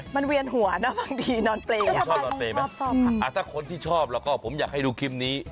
มันเวียนหัวเนอะบางทีนอนเปลถ้าคนที่ชอบแล้วก็ผมอยากให้ดูคลิปนี้